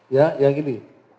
ya yang ini